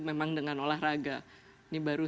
memang dengan olahraga ini baru